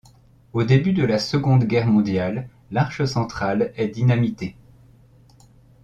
Au début de la Seconde Guerre mondiale, l'arche centrale est dynamitée.